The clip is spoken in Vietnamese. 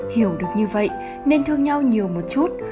hiểu được như vậy nên thương nhau nhiều một chút